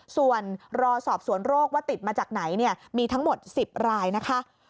ส่วนรอสอบสวนโรคว่าติดมาจากไหนมีทั้งหมด๑๐รายนะคะ